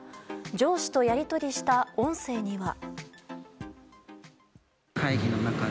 上司とやり取りした音声には。